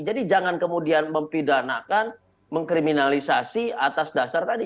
jadi jangan kemudian mempidanakan mengkriminalisasi atas dasar tadi